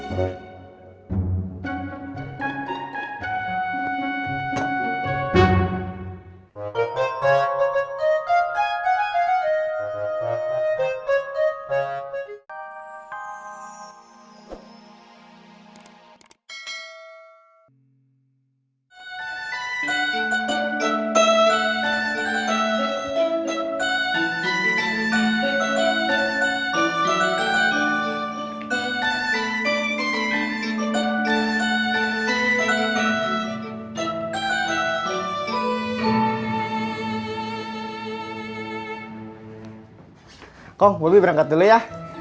kau boleh berangkat dulu ya